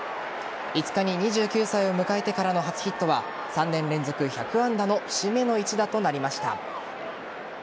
５日に２９歳を迎えてからの初ヒットは３年連続１００安打の節目の一打となりました。